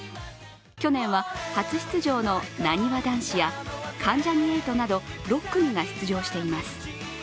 去年は初出場のなにわ男子や関ジャニ∞など６組が出場しています。